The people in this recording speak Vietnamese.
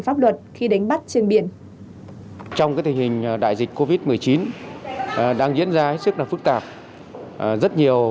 lập chốt kiểm tra nồng độ cồn tại khu vực đường xuân thủy cầu giấy